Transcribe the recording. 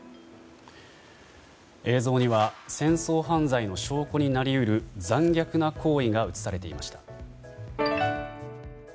映像には戦争犯罪の証拠になり得る残虐な行為が映されていました。